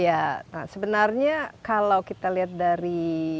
iya nah sebenarnya kalau kita lihat dari